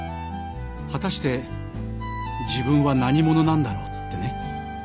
果たして自分は何者なんだろうってね。